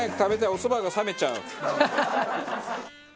お蕎麦が冷めちゃう。